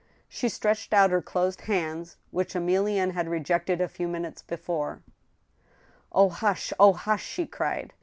She stretched out her closed hands, which Emilienne had rejected a few minutes before :" Oh, hush — oh, hush !" she cried.